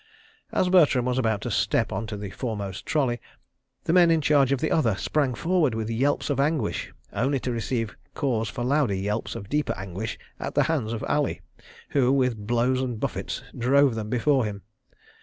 As Bertram was about to step on to the foremost trolley, the men in charge of the other sprang forward with yelps of anguish, only to receive cause for louder yelps of deeper anguish at the hands of Ali, who, with blows and buffets, drove them before him.